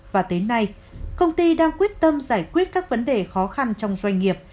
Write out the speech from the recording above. và tới nay công ty đang quyết tâm giải quyết các vấn đề khó khăn trong doanh nghiệp